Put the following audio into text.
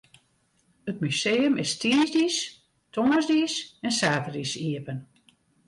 It museum is tiisdeis, tongersdeis en saterdeis iepen.